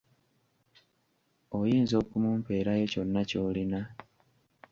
Oyinza okumumpeerayo kyonna ky’olina?